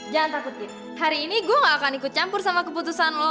jangan takut hari ini gue gak akan ikut campur sama keputusan lo